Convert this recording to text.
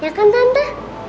ya kan tante